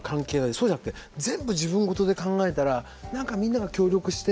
そうじゃなくて全部自分事で考えたらなんか、みんなが協力して。